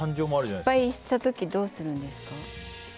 失敗した時どうするんですか？